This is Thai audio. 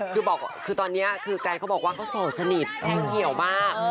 คือตอนนี้แกรมเขาบอกว่าเขาโสดสนิทแท้เขียวมาก